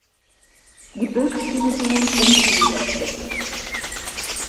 Gebirgs-Division umgegliedert wurde.